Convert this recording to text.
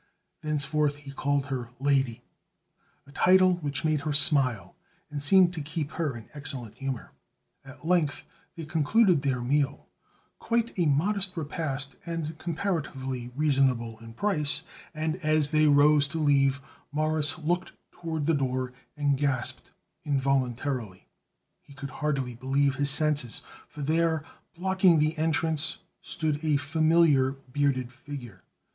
Thenceforth he called her "lady," a title which made her smile and seemed to keep her in excellent humor. At length they concluded their meal quite a modest repast and comparatively reasonable in price and as they rose to leave Morris looked toward the door and gasped involuntarily. He could hardly believe his senses, for there blocking the entrance stood a familiar bearded figure.